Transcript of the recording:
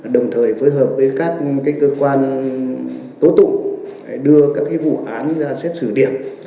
đồng thời phối hợp với các cơ quan tố tụng đưa các vụ án ra xét xử điểm